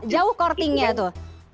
jauh kortingnya tuh